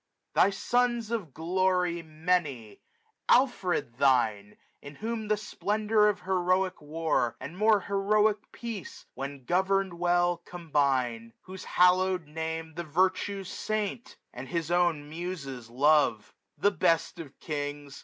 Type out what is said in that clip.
. Thy Sons of Glory many ! Alfred thine ; In whom the splendor of heroic war. And more heroic peace, when governed well, 1480 Combine ; whose hallow'd name the virtues saint. And his own Muses love ; the best of Kings